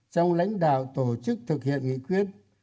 trong lãnh đạo tổ chức thực hiện nghị quyết